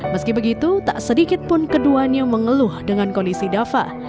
meski begitu tak sedikit pun keduanya mengeluh dengan kondisi dava